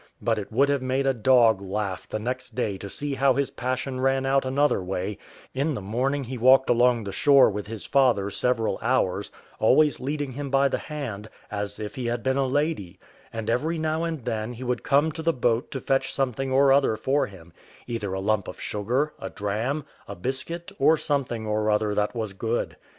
But it would have made a dog laugh the next day to see how his passion ran out another way: in the morning he walked along the shore with his father several hours, always leading him by the hand, as if he had been a lady; and every now and then he would come to the boat to fetch something or other for him, either a lump of sugar, a dram, a biscuit, or something or other that was good.